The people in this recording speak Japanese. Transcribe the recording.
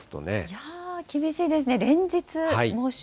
いやー、厳しいですね、連日、猛暑。